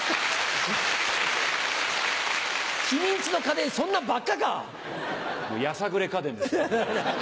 君ん家の家電そんなばっかか！やさぐれ家電です。